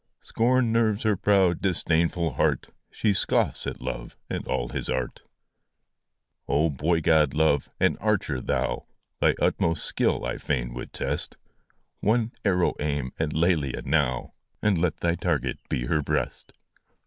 Scorn nerves her proud, disdainful heart ! She scoffs at Love and all his art ! Oh, boy god, Love ! An archer thou ! Thy utmost skill I fain would test ; One arrow aim at Lelia now, And let thy target be her breast